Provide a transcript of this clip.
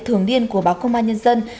thường điên của báo công an nhân dân